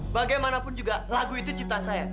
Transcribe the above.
bagaimanapun juga lagu itu cipta saya